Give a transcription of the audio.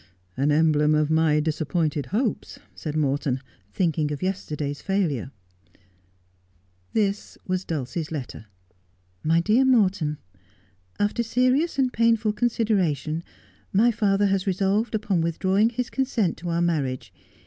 ' An emblem of my disappointed hopes,' said Morton, thinking of yesterday's failure. This was Dulcie's letter :—' My dear Morton, — After serious and painful consideration my father has resolved upon withdrawing his consent to our marriage.